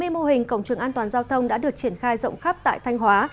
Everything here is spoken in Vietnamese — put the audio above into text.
hai mươi mô hình cổng trường an toàn giao thông đã được triển khai rộng khắp tại thanh hóa